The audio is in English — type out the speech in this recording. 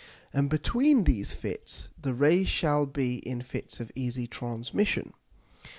and between these Fits the Rays shall be in Fits of easy Transmission.